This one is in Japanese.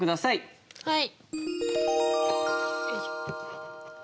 はい。